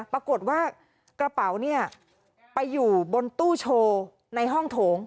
ปรากฏว่ากระเป๋าเนี่ยไปอยู่บนตู้โชว์ในห้องโถง